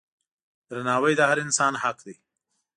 درناوی د هر انسان حق دی.